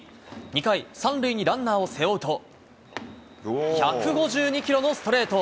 ２回、３塁にランナーを背負うと、１５２キロのストレート。